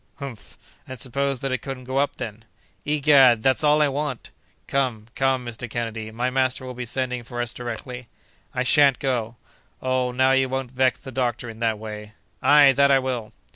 "Humph! and suppose that it couldn't go up, then?" "Egad! that's all I want!" "Come! come, Mr. Kennedy! My master will be sending for us directly." "I shan't go." "Oh! now, you won't vex the doctor in that way!" "Aye! that I will."